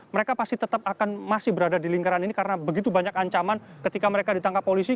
mereka pasti tetap akan masih berada di lingkaran ini karena begitu banyak ancaman ketika mereka ditangkap polisi